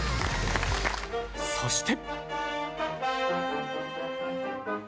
そして。